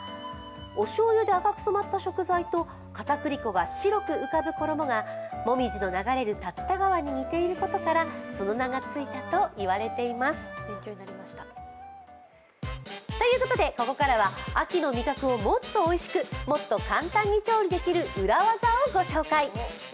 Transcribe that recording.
おしょうゆで赤く染まった食材とかたくり粉が白く浮かぶ衣が紅葉の流れる竜田川に似ていることからその名がついたと言われています。ということでここからは秋の味覚をもっとおいしく、もっと簡単に調理できる裏技をご紹介。